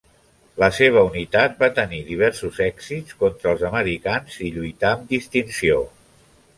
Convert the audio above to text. La seva unitat va tenir diversos èxits contra els americans i lluità amb distinció.